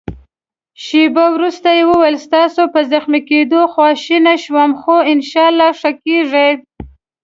شېبه وروسته يې وویل: ستاسي په زخمي کېدو خواشینی شوم، خو انشاالله ښه کېږې.